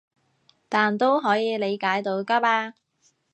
但都可以理解到㗎嘛